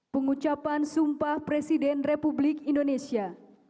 pengucapan sumpah presiden republik indonesia